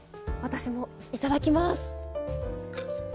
私もいただきます！